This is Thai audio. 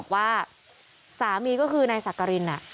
ว่าสามีก็คือนายสักกริน